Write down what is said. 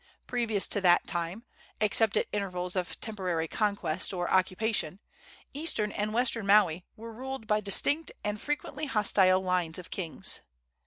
Previous to that time, except at intervals of temporary conquest or occupation, eastern and western Maui were ruled by distinct and frequently hostile lines of kings.